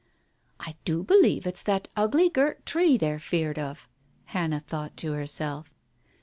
"I do believe it's that ugly, girt tree they're feared of !" Hannah thought to herself.